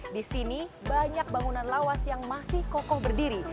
di sini banyak bangunan lawas yang masih kokoh berdiri